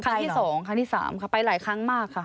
ครั้งที่๒ครั้งที่๓ค่ะไปหลายครั้งมากค่ะ